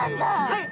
はい。